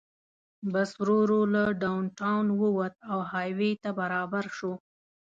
بس ورو ورو له ډاون ټاون ووت او های وې ته برابر شو.